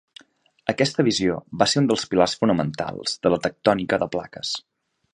Aquesta visió va ser un dels pilars fonamentals de la tectònica de plaques.